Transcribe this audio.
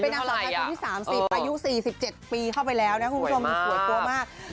เป็นในส่วนที่เมื่ออายุ๓๗ปีเข้าไปแล้วนะคุณผู้ชมสวยมาก